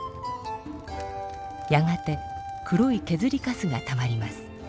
やがて黒いけずりカスがたまります。